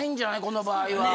この場合は。